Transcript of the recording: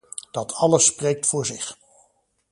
Dat alles spreekt voor zich.